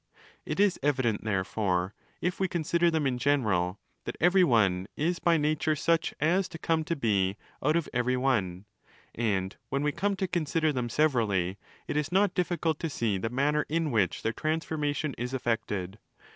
It is evident, therefore, if we consider them in general, that every one is by nature such as to come to be out of every one: and when we come to consider them severally, it is not difficult to see the manner in which their transformation is effected.